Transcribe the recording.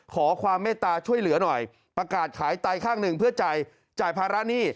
ขอความเมตตาช่วยเหลือหน่อยประกาศขายไตข้างหนึ่งเพื่อจ่ายภาระหนี้